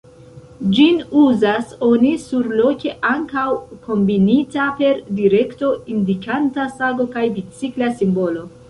Ĝin uzas oni surloke ankaŭ kombinita per direkto-indikanta sago kaj bicikla simbolo.